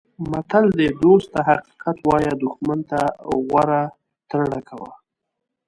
متل دی: دوست ته حقیقت وایه دوښمن ته غوره ترړه کوه.